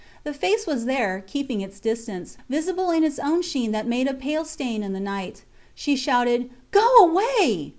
The face was there, keeping its distance, visible in its own sheen that made a pale stain in the night. She shouted, Go away!